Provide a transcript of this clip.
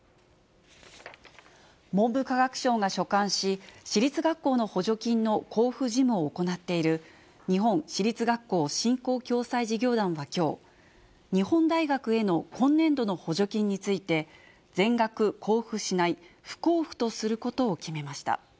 文部科学省が所管し、私立学校の補助金の交付事務を行っている日本私立学校振興・共済事業団はきょう、日本大学への今年度の補助金について、全額交付しない不交付とすることを決めました。